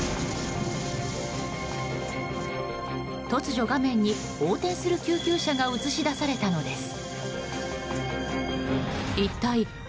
突如、画面に横転する救急車が映し出されたのです。